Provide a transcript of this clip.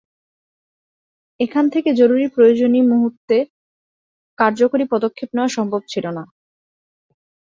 এখান থেকে জরুরি প্রয়োজনী মুহূর্তে কার্যকরী পদক্ষেপ নেওয়া সম্ভব ছিল না।